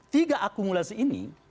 tiga akumulasi ini